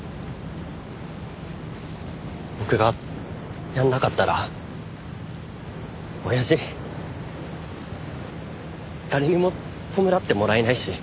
僕がやらなかったら親父誰にも弔ってもらえないし。